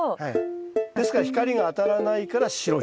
ですから光が当たらないから白い。